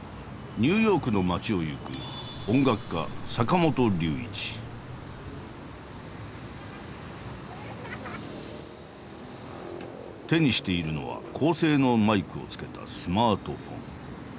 ニューヨークの街を行く手にしているのは高性能マイクをつけたスマートフォン。